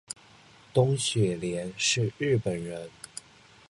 东雪莲是日本人